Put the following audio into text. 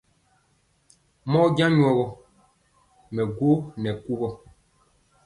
Mɔɔ njɛŋ jɔ gɔ, mɛ gwo nyɛ kuvɔ.